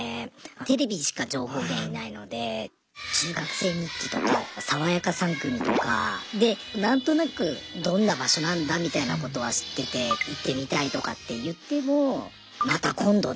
テレビしか情報源ないので「中学生日記」とか「さわやか３組」とかでなんとなくどんな場所なんだみたいなことは知ってて行ってみたいとかって言ってもまた今度ねぐらいな。